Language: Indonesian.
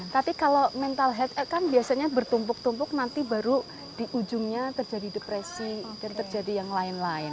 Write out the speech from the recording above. tapi kalau mental head kan biasanya bertumpuk tumpuk nanti baru di ujungnya terjadi depresi dan terjadi yang lain lain